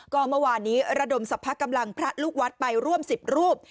ก็เมื่อวานนี้ระดมสรรพกำลังพระลูกวัดไปร่วม๑๐รูป